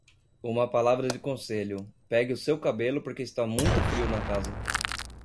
Uma palavra de conselho, pegue o seu cabelo porque está muito frio na casa.